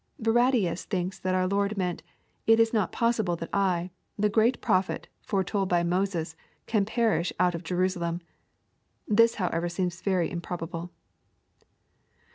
*^ Barradius thinks that our Lord meant, " it is not possible that I, the great prophiet, foretold by Moses, can perish out of Jerusa lem." This however seems very improbable.